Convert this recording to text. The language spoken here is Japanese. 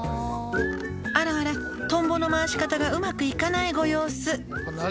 「あらあらトンボの回し方がうまくいかないご様子」